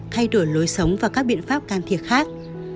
thay đổi lối sống và các biện pháp can thiệp khác